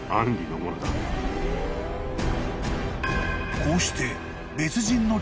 ［こうして］